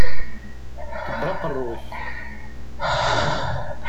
Ḍebber aqeṛṛu-k!